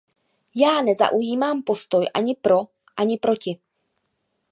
Já nezaujímám postoj ani pro, ani proti.